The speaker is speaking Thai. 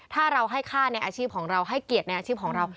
ถ้าเราให้ค่าในอาชีพของเราให้เกียรติในอาชีพของเรา